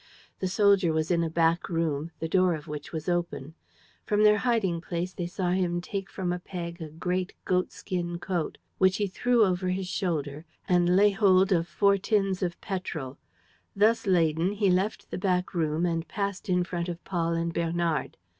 The soldier was in a back room, the door of which was open. From their hiding place they saw him take from a peg a great goat skin coat, which he threw over his shoulder, and lay hold of four tins of petrol. Thus laden, he left the back room and passed in front of Paul and Bernard.